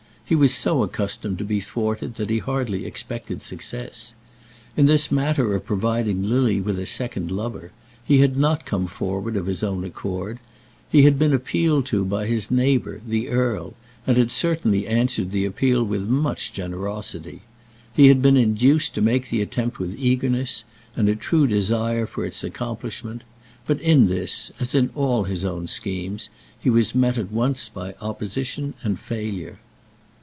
He was so accustomed to be thwarted that he hardly expected success. In this matter of providing Lily with a second lover, he had not come forward of his own accord. He had been appealed to by his neighbour the earl, and had certainly answered the appeal with much generosity. He had been induced to make the attempt with eagerness, and a true desire for its accomplishment; but in this, as in all his own schemes, he was met at once by opposition and failure.